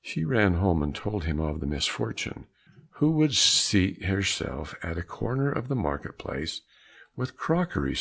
She ran home and told him of the misfortune. "Who would seat herself at a corner of the market place with crockery?"